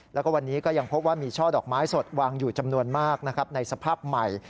แล้วก็วันนี้ก็ยังพบว่ามีช่อดอกไม้สดวางอยู่จำนวนมากนะครับในสภาพใหม่